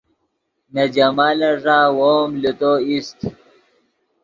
نے جمالن ݱا وو ام لے تو ایست